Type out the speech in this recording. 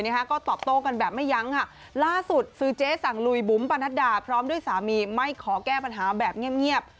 ก็ตอบโต้กันแบบไม่ยั้งค่ะล่าสุดซื้อเจ๊สั่งลุยบุ๋มปนัดดาพร้อมด้วยสามีไม่ขอแก้ปัญหาแบบเงียบ